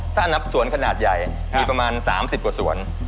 ถ้านับสวนขนาดใหญ่มีประมาณ๓๐กว่าสวน